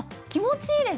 気持ちいいです。